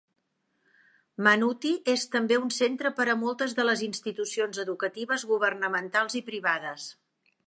Mannuthy és també un centre per a moltes de les institucions educatives governamentals i privades.